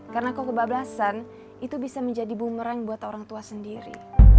karena kalau kebablasan itu bisa menjadi bumerang buat orang tua sendiri